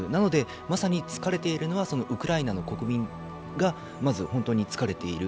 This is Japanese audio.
まさに疲れているのはウクライナ国民が、まず本当に疲れている。